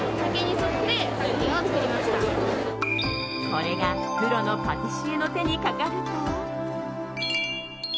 これがプロのパティシエの手にかかると。